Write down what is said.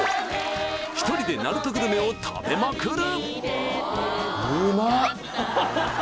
１人で鳴門グルメを食べまくる！